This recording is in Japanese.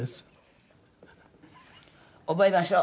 覚えましょう。